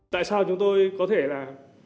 tại sao chúng tôi có thể là